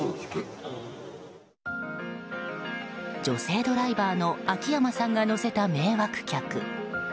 女性ドライバーの秋山さんが乗せた迷惑客。